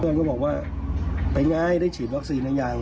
เพื่อนก็บอกว่าไปไงได้ฉีดวัคซีนหรือยัง